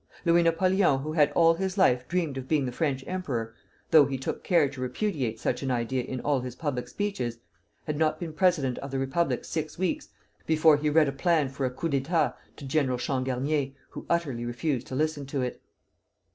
Louis Napoleon, who had all his life dreamed of being the French emperor, though he took care to repudiate such an idea in all his public speeches, had not been president of the Republic six weeks before he read a plan for a coup d'état to General Changarnier, who utterly refused to listen to it.